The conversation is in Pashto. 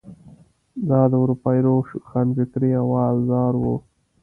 دا د اروپايي روښانفکرۍ اوزار وو.